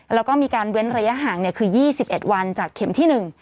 แล้วก็มีการเว้นระยะห่างคือ๒๑วันจากเข็มที่๑